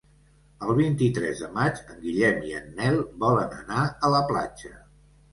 El vint-i-tres de maig en Guillem i en Nel volen anar a la platja.